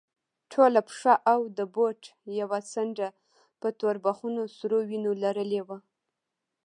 ټوله پښه او د بوټ يوه څنډه په توربخونو سرو وينو لړلې وه.